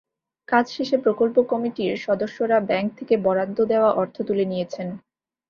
কাজ শেষে প্রকল্প কমিটির সদস্যরা ব্যাংক থেকে বরাদ্দ দেওয়া অর্থ তুলে নিয়েছেন।